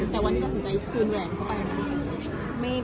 แต่วันนี้ก็ถึงจะไปคืนแหว่น